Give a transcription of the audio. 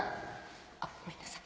あっごめんなさい